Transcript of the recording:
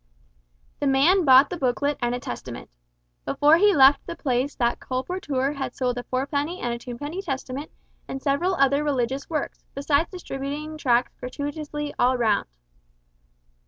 The man bought the booklet and a Testament. Before he left the place that colporteur had sold a fourpenny and a twopenny Testament, and several other religious works, beside distributing tracts gratuitously all round.